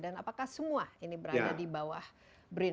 dan apakah semua ini berada di bawah brin